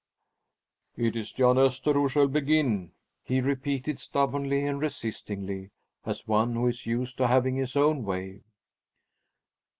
"It is Jan Öster who shall begin," he repeated stubbornly and resistingly, as one who is used to having his own way.